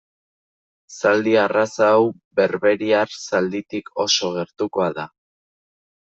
Zaldi arraza hau berberiar zalditik oso gertukoa da.